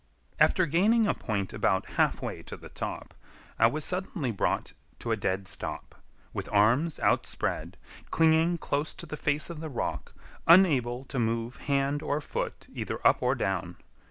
After gaining a point about halfway to the top, I was suddenly brought to a dead stop, with arms outspread, clinging close to the face of the rock, unable to move hand or foot either up or down.